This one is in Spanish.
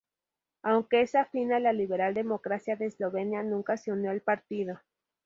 Aunque es afín a la Liberal Democracia de Eslovenia, nunca se unió al partido.